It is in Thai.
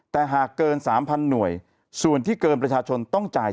แต่หากเกิน๓๐๐หน่วยส่วนที่เกินประชาชนต้องจ่าย